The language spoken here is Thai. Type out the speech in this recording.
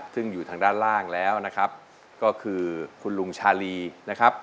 ซึ่งอยู่ทางด้านล่างแล้วนะครับก็คือคุณลุงชาลีนะครับ